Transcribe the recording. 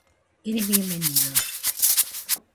Eres bienvenido.